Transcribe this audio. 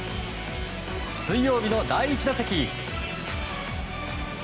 水曜日の第１打席。